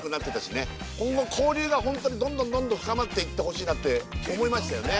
今後交流が本当にどんどんどんどん深まっていってほしいなって思いましたよね。